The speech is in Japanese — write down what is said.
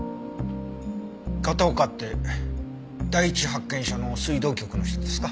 片岡って第一発見者の水道局の人ですか？